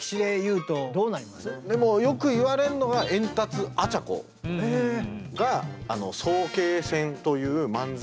でもよく言われるのはエンタツアチャコが「早慶戦」という漫才を作家さん